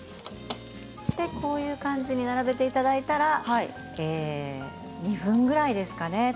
こういう感じに並べていただいたら２分ぐらいですかね。